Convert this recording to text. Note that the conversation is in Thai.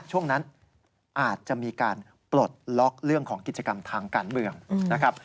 ช่วงนั้นอาจจะมีการปลดล็อกเรื่องของกิจกรรมทางการเมืองนะครับ